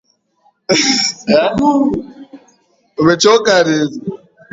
Kikohozi kutokana na maji yaliyo mapafuni